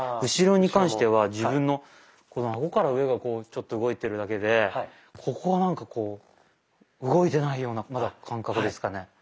後ろに関しては自分のこの顎から上がこうちょっと動いてるだけでここはなんかこう動いてないようなまだ感覚ですかね。